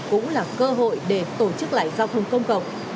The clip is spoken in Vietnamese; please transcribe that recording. cũng là cơ hội để tổ chức lại giao thông công cộng